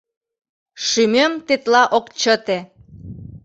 Шӱмем тетла ок чыте.